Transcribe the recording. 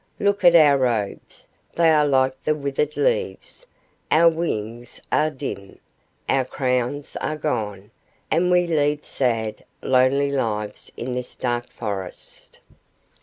Look at our robes, they are like the withered leaves; our wings are dim, our crowns are gone, and we lead sad, lonely lives in this dark forest.